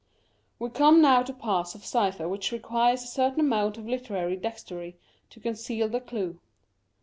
We come now to a class of cypher which requires a certain amount of literary dexterity to conceal the clue.